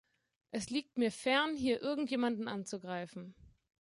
Es liegt mir fern, hier irgendjemanden anzugreifen.